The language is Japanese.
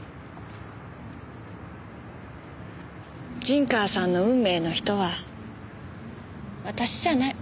陣川さんの運命の人は私じゃない。